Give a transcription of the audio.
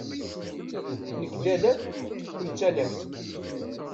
Nekk d alak, kemm d talakt.